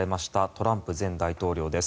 トランプ前大統領です。